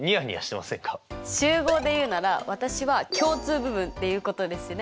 集合で言うなら私は共通部分っていうことですね。